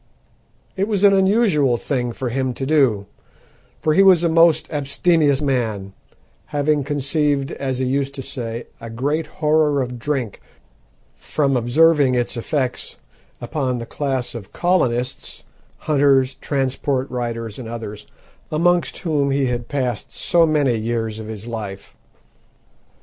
It was an unusual thing for him to do, for he was a most abstemious man, having conceived, as he used to say, a great horror of drink from observing its effects upon the class of colonists hunters, transport riders and others amongst whom he had passed so many years of his life.